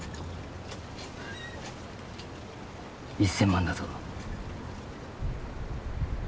１，０００万だぞ！